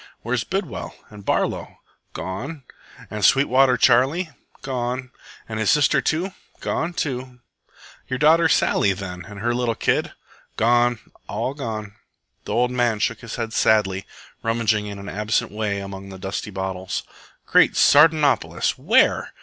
"Where's Bidwell and Barlow?" "Gone." "And Sweetwater Charley?" "Gone." "And his sister?" "Gone too." "Your daughter Sally, then, and her little kid?" "Gone, all gone." The old man shook his head sadly, rummaging in an absent way among the dusty bottles. "Great Sardanapolis! Where?"